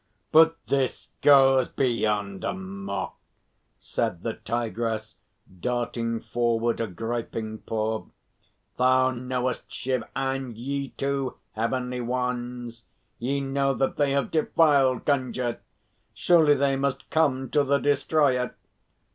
"But this goes beyond a mock," said the Tigress, darting forward a griping paw. "Thou knowest, Shiv, and ye, too, Heavenly Ones; ye know that they have defiled Gunga. Surely they must come to the Destroyer.